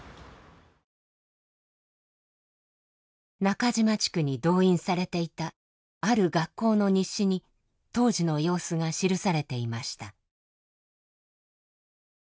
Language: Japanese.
中島地区に動員されていたある学校の日誌に当時の様子が記されていました。